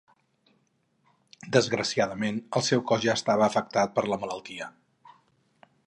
Desgraciadament, el seu cos ja estava afectat per la malaltia.